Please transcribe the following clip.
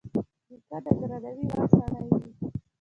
نیکه د درناوي وړ سړی وي.